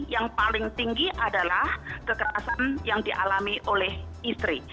yang paling tinggi adalah kekerasan yang dialami oleh istri